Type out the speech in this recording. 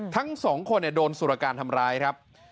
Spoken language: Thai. ทั้งสองคนโดนสุรการทำร้ายครับ